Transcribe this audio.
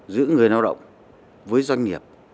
giữa người lao động với doanh nghiệp